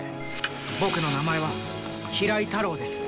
僕の名前は平井太郎です。